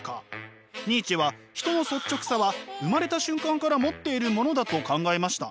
ニーチェは人の率直さは生まれた瞬間から持っているものだと考えました。